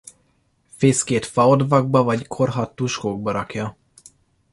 Fészkét faodvakba vagy korhadt tuskókba rakja.